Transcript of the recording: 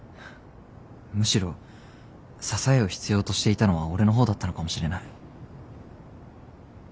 むしろ支えを必要としていたのは俺の方だったのかもしれない。